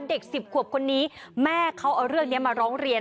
เด็ก๑๐ขวบคนนี้แม่เขาเอาเรื่องนี้มาร้องเรียน